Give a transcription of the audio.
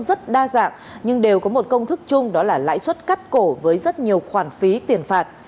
rất đa dạng nhưng đều có một công thức chung đó là lãi suất cắt cổ với rất nhiều khoản phí tiền phạt